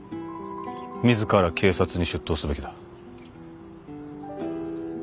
自ら警察に出頭すべきだ。